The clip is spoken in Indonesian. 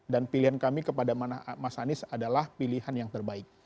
dan pilihan kami kepada mas anies adalah pilihan yang terbaik